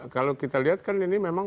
kalau kita lihat kan ini memang